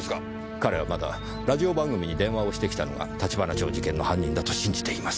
彼はまだラジオ番組に電話をしてきたのが橘町事件の犯人だと信じています。